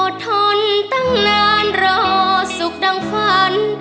ทนตั้งนานรอสุขดังฝัน